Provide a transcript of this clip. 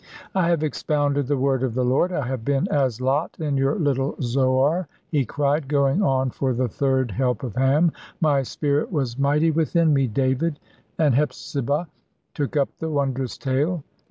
"I have expounded the word of the Lord, I have been as Lot in your little Zoar," he cried, going on for the third help of ham; "my spirit was mighty within me, David; and Hepzibah took up the wondrous tale.